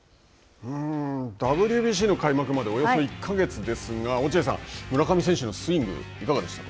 ＷＢＣの開幕までおよそ１か月ですが、落合さん、村上選手のスイングいかがでしたか。